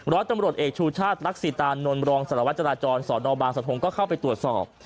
ร้อยตำรวจเอกชูชาติรักษีตานนทรองสารวัตจราจรสอนอบางสะทงก็เข้าไปตรวจสอบ